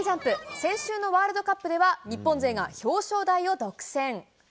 先週のワールドカップでは、日本勢が表彰台を独占。